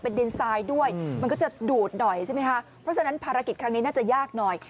เพราะฉะนั้นภารกิจครั้งนี้น่าจะยากหน่อย